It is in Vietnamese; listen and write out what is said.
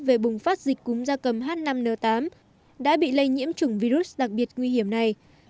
về bùng phát dịch cúm da cầm h năm n tám đã bị lây nhiễm chủng virus đặc biệt nguy hiểm này